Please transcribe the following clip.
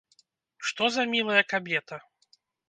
Што за мілая кабета?!.